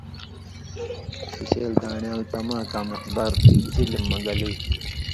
شِشیل دان٘ڑیال تماکاں مقدار چلم مہ گلی